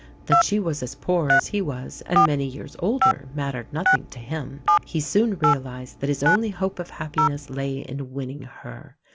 That she was as poor as he was, and many years older mattered nothing to him. He soon realised that his only hope of happiness lay in winning her.